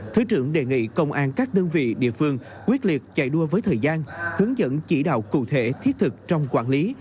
thứ trưởng đề nghị công an các đơn vị địa phương quyết liệt chạy đua với thời gian hướng dẫn chỉ đạo cụ thể thiết thực trong quản lý